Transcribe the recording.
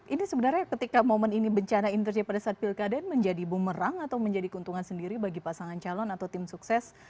ini sebenarnya ketika momen ini bencana ini terjadi pada saat pilkada ini menjadi bumerang atau menjadi keuntungan sendiri bagi pasangan calon atau tim sukses